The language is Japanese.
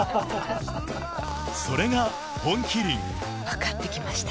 それが「本麒麟」分かってきました。